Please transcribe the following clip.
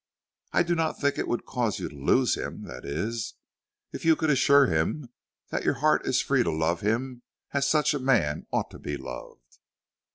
"I do not think it would cause you to lose him; that is, if you could assure him that your heart is free to love him as such a man ought to be loved."